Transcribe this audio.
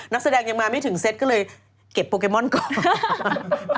นักแสดงยังมาไม่ถึงเซตก็เลยเก็บโปเกมอนก่อน